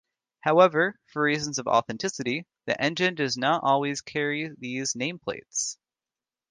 However, for reasons of authenticity, the engine does not always carry these nameplates.